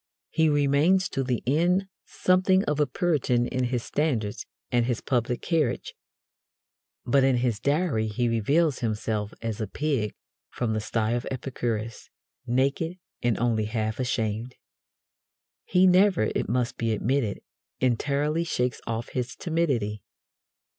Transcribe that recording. He remains to the end something of a Puritan in his standards and his public carriage, but in his diary he reveals himself as a pig from the sty of Epicurus, naked and only half ashamed. He never, it must be admitted, entirely shakes off his timidity.